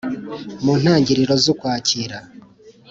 mu ntangiriro z'ukwakira